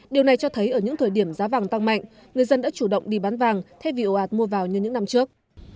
điều này cho thấy ở những thời điểm giá vàng tăng mạnh người dân đã chủ động đi bán vàng thay vì ồ ạt mua vào như những năm trước